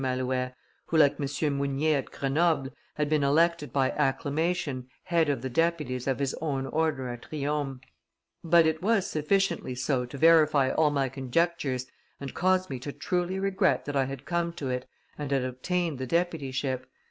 Malouet, who, like M. Mounier at Grenoble, had been elected by acclamation head of the deputies of his own order at Riom, "but it was sufficiently so to verify all my conjectures and cause me to truly regret that I had come to it and had obtained the deputyship.